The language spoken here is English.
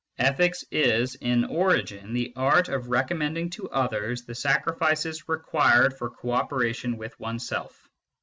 Ethics is in origin the art of recommending to others the sacrifices required for co oper ation with oneself.